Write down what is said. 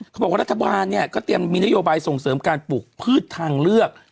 เขาบอกว่ารัฐบาลเนี่ยก็เตรียมมีนโยบายส่งเสริมการปลูกพืชทางเลือก